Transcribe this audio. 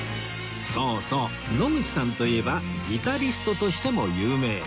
そうそう野口さんといえばギタリストとしても有名